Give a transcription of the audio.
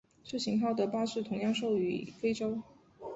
这型号的巴士同样售予非洲。